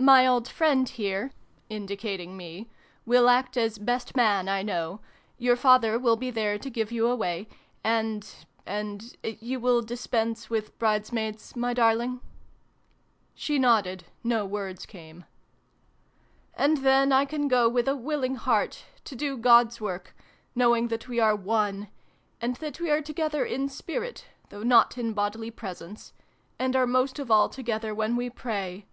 My old friend here," indicating me, " will act as ' Best Man,' I know : your father will be there to give you away : and and you will dispense with bride's maids, my darling ?" She nodded : no words came. " And then I can go with a willing heart to do God's work knowing that we are one and that we are together in spirit, though not in bodily presence and are most of all together when we pray !